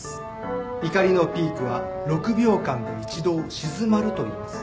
怒りのピークは６秒間で一度静まるといいます